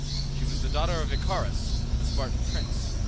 She was the daughter of Icarius, a Spartan prince.